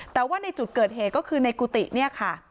แต่ว่าในจุดเกิดเหตุก็คือในกุฏิเนี่ยค่ะ